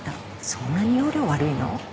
そんなに要領悪いの？